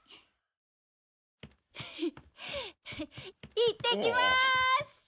いってきまーす！